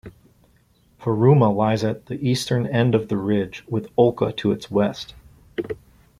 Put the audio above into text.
Paruma lies at the eastern end of the ridge, with Olca to its west.